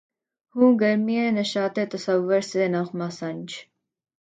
ہوں گرمیِ نشاطِ تصور سے نغمہ سنج